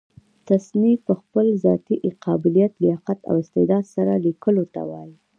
تصنیف په خپل ذاتي قابلیت، لیاقت او استعداد سره؛ ليکلو ته وايي.